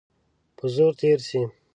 په زور تېر سي.